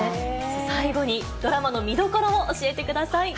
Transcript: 最後にドラマの見どころを教えてください。